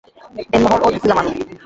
দেনমোহর ও দিসিলাম আমি।